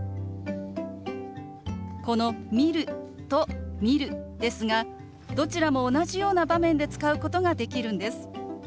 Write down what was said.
この「見る」と「見る」ですがどちらも同じような場面で使うことができるんです。